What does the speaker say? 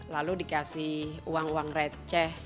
lalu dikasih uang uang receh